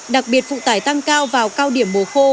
đặc biệt phụ tải tăng cao vào cao điểm mùa khô